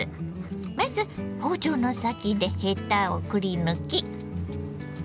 まず包丁の先でヘタをくり抜き。